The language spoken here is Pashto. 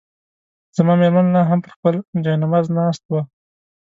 زما مېرمن لا هم پر خپل جاینماز ناست وه.